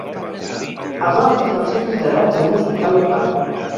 Els altres van ser traslladats a un hospital local.